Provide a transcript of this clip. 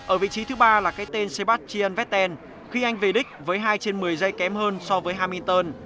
ở vị trí thứ ba là cái tên sebastian veen khi anh về đích với hai trên một mươi giây kém hơn so với hamiton